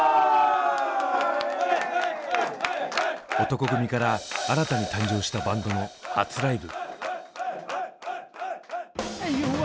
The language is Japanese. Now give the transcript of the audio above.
男闘呼組から新たに誕生したバンドの初ライブ。